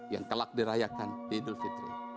yang telak dirayakan di idul fitri